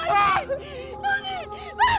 tahan tahan tahan ya